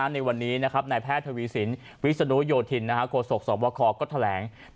ในวันนี้นายแพทย์ทวีสินวิศนุโยธินโคศกสวบคก็แถลง